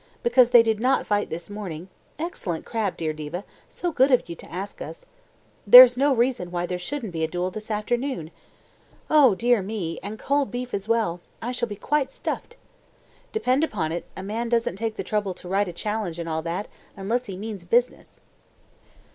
"Because they did not fight this morning excellent crab, dear Diva, so good of you to ask us there's no reason why there shouldn't be a duel this afternoon. Oh, dear me, and cold beef as well: I shall be quite stuffed. Depend upon it a man doesn't take the trouble to write a challenge and all that, unless he means business."